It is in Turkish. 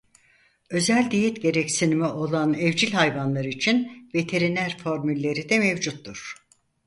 Özel diyet gereksinimi olan evcil hayvanlar için veteriner formülleri de mevcuttur.